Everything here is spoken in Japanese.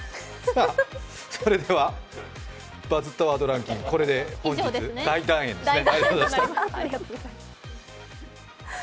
それでは「バズったワードランキング」これで本日、大団円ですね。